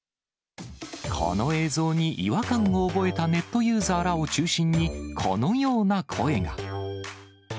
この映像に違和感を覚えたネットユーザーらを中心にこのような声が。